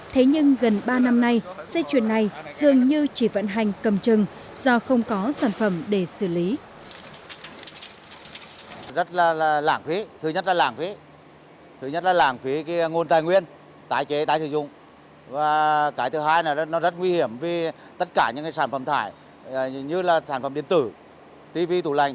thế nhưng gần ba năm nay dây chuyền này dường như chỉ vận hành cầm chừng do không có sản phẩm để xử lý